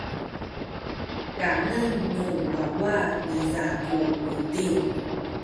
kanen nu wawa niza ku buting.